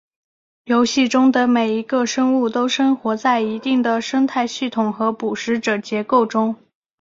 游戏中的每一个生物都生活在一定的生态系统和捕食者结构中。